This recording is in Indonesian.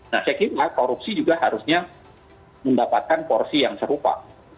nah saya kira korupsi juga harusnya mendapatkan porsi yang serupa